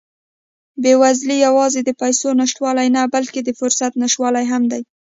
بېوزلي یوازې د پیسو نشتوالی نه، بلکې د فرصت نشتوالی هم دی.